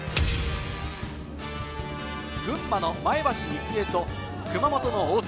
群馬の前橋育英と熊本の大津。